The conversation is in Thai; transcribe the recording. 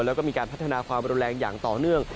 แล้วก็มีการพัฒนาความรุนแรงอย่างต่อเนื่อง